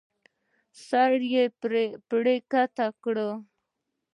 سړی پړی کښته کړ.